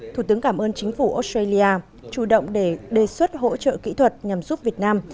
thủ tướng cảm ơn chính phủ australia chủ động để đề xuất hỗ trợ kỹ thuật nhằm giúp việt nam